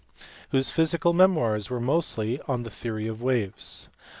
487), whose physical memoirs were mostly 011 the theory of waves.